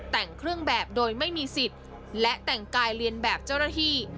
แต่งเครื่องแบบโดยไม่มีสิทธิ์และแต่งกายเรียนแบบเจ้าหน้าที่